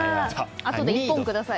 あとで１本ください。